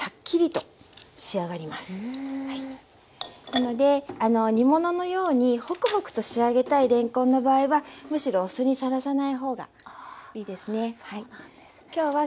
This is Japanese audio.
なので煮物のようにホクホクと仕上げたいれんこんの場合はむしろお酢にさらさない方がいいですね。